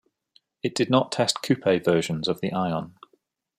It did not test coupe versions of the Ion.